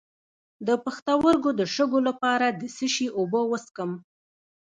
د پښتورګو د شګو لپاره د څه شي اوبه وڅښم؟